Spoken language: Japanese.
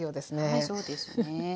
はいそうですね。